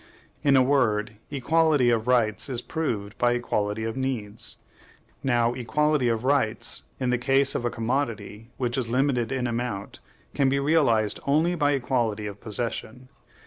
In a word, equality of rights is proved by equality of needs. Now, equality of rights, in the case of a commodity which is limited in amount, can be realized only by equality of possession.